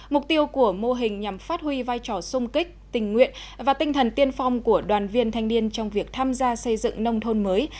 mục tiêu của mô hình nhằm phát huy vai trò sung kích tình nguyện và tinh thần tiên phong của đoàn viên thanh niên trong việc tham gia xây dựng nông thôn mới